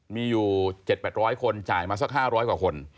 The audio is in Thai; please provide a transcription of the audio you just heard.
มีอยู่๗๘๐๐คนจ่ายมาสัก๕๐๐กว่าคน